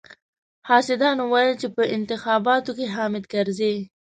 حاسدانو ويل چې په انتخاباتو کې حامد کرزي.